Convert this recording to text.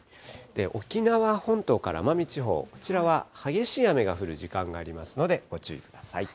沖縄本島から奄美地方、こちらは激しい雨が降る時間がありますので、ご注意ください。